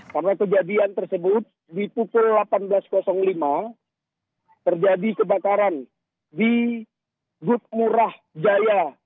karena kejadian tersebut di pukul delapan belas lima terjadi kebakaran di gut murah jaya